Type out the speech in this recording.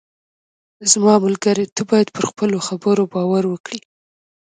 زما ملګری، ته باید پر خپلو خبرو باور وکړې.